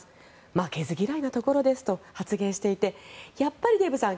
負けず嫌いなところですと発言していてデーブさん